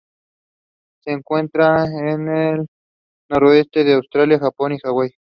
Se encuentra al noroeste de Australia, Japón y Hawaii.